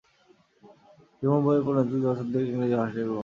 তিনি মুম্বই এবং পুণেতে বছর দুয়েক ইংরেজি ভাষাশিক্ষা গ্রহণ করেন।